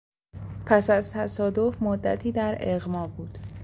پس از تصادف مدتی در اغما بود.